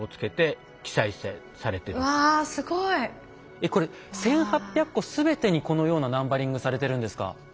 えっこれ１，８００個全てにこのようなナンバリングされてるんですか？